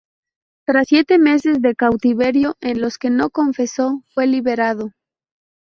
Tras siete meses de cautiverio en los que no confesó, fue liberado.